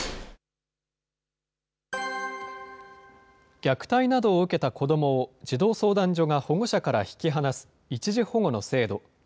虐待などを受けた子どもを児童相談所が保護者から引き離す一時保護の制度。